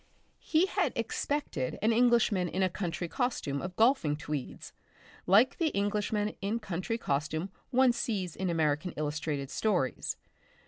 He had expected an Englishman in a country costume of golfing tweeds, like the Englishman in country costume one sees in American illustrated stories.